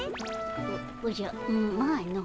おおじゃまあの。